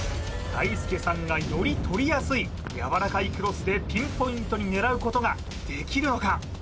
大輔さんがより捕りやすいやわらかいクロスでピンポイントに狙うことができるのか？